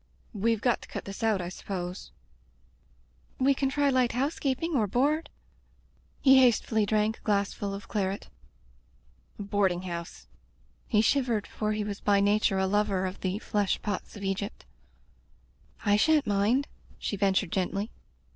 "WeVe got to cut this out, I suppose/' [i8] Digitized by LjOOQ IC A Tempered Wind "We can try light housekeeping, or board/* He hastily drank a glassful of claret. "A boarding house" — he shivered, for he was by nature a lover of the flesh pots of Egypt. I shan't mind," she ventured gently.